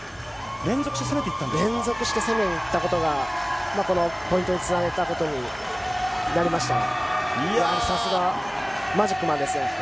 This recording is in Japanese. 連続して攻めにいったことが、ポイントにつなげたことになりましたよね。